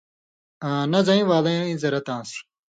آں نہ زَیں والَیں زرت آن٘سیۡ۔